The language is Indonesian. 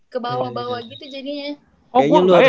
kebawah bawah gitu jadinya